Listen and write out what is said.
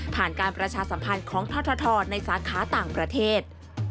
การประชาสัมพันธ์ของททในสาขาต่างประเทศ